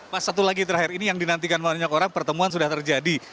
mas satu lagi terakhir ini yang dinantikan banyak orang pertemuan sudah terjadi